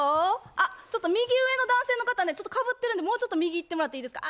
あっちょっと右上の男性の方ねちょっとかぶってるんでもうちょっと右行ってもらっていいですか？